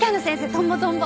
トンボトンボ。